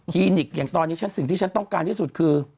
นิกอย่างตอนนี้สิ่งที่ฉันต้องการที่สุดคือ